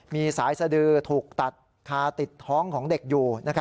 มีสายสดือถูกตัดคาติดท้องของเด็กอยู่